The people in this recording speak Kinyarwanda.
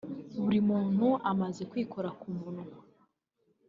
Buri muntu amaze kwikora ku munwa